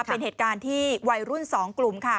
เป็นเหตุการณ์ที่วัยรุ่น๒กลุ่มค่ะ